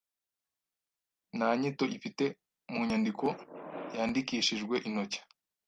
Nta nyito ifite mu nyandiko yandikishijwe intoki